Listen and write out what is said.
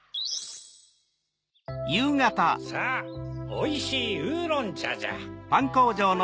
さぁおいしいウーロンちゃじゃ。